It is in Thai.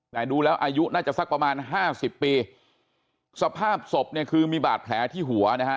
แต่ดูแล้วอายุน่าจะสักประมาณห้าสิบปีสภาพศพเนี่ยคือมีบาดแผลที่หัวนะฮะ